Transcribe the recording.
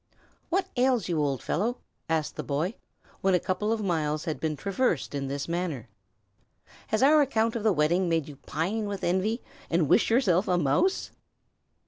"What ails you, old fellow?" asked the boy, when a couple of miles had been traversed in this manner. "Has our account of the wedding made you pine with envy, and wish yourself a mouse?"